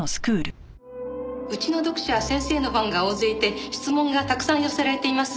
うちの読者は先生のファンが大勢いて質問がたくさん寄せられています。